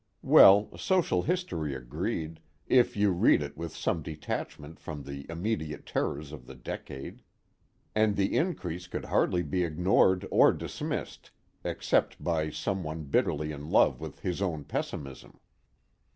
Well, social history agreed, if you read it with some detachment from the immediate terrors of the decade. And the increase could hardly be ignored or dismissed except by someone bitterly in love with his own pessimism.